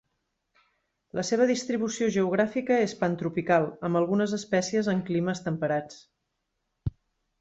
La seva distribució geogràfica és pantropical, amb algunes espècies en climes temperats.